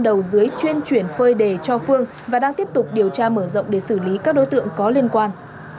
đầu dưới chuyên chuyển phơi đề cho phương và đang tiếp tục điều tra mở rộng để xử lý các đối tượng có liên quan